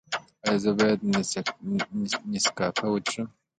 ایا زه باید نسکافه وڅښم؟